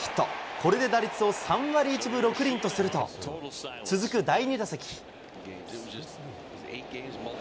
これで打率を３割１分６厘とすると、続く第２打席。